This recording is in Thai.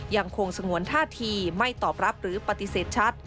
ยังคงสงวนท่าทีไม่ตอบรับหรือปฏิเสธชัด